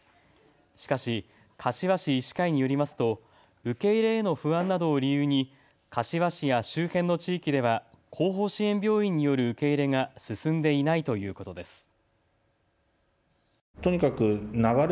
しかし柏市医師会によりますと受け入れへの不安などを理由に柏市や周辺の地域では後方支援病院による受け入れが進んでいないということです。